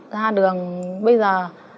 ra đường bây giờ